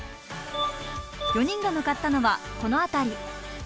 ４人が向かったのはこの辺り。